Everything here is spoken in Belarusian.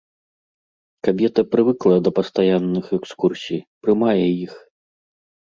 Кабета прывыкла да пастаянных экскурсій, прымае іх.